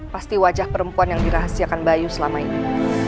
pasti wajah perempuan yang dirahasiakan bayu selama ini